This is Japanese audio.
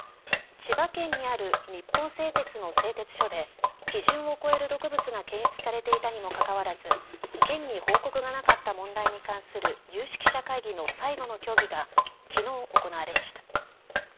千葉県にある日本製鉄の製鉄所で基準を超える毒物が検出されていたにもかかわらず県に報告がなかった問題に関する有識者会議の最後の協議がきのう行われました。